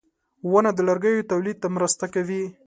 • ونه د لرګیو تولید ته مرسته کوي.